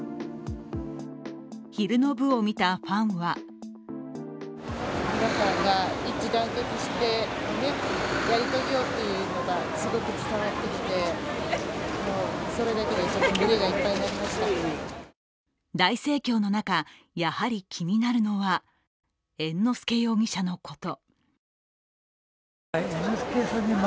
昼の部を見たファンは大盛況の中、やはり気になるのは猿之助容疑者のこと。